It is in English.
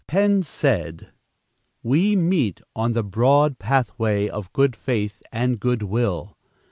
Penn said: "We meet on the broad pathway of good faith and good will.